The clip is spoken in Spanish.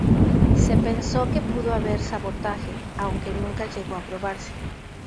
Se pensó que pudo haber sabotaje, aunque nunca llegó a probarse.